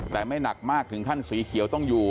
แต่ไม่หนักมากถึงขั้นสีเขียวต้องอยู่